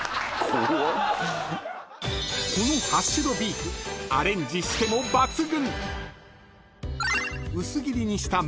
［このハッシュドビーフアレンジしても抜群］